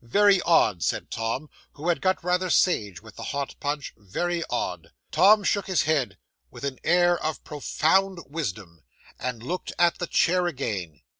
Very odd," said Tom, who had got rather sage with the hot punch "very odd." Tom shook his head with an air of profound wisdom, and looked at the chair again.